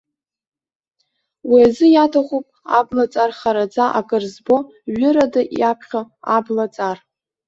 Уи азы иаҭахуп абла-ҵар хараӡа акыр збо, ҩырада иаԥхьо абла-ҵар.